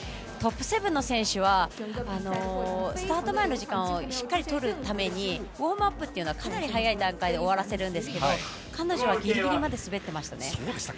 トップ７の選手はスタート前の時間をしっかりとるためにウォームアップをかなり早い段階で終わらせるんですが彼女はギリギリまで滑ってました。